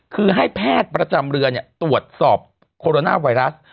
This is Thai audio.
คือให้แพทย์ประจำเรือตรวจสอบโคโรนาไวรัส